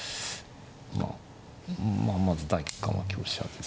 まあまず第一感は香車ですけど。